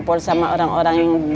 terima kasih banyak banyak